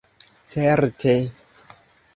Certe.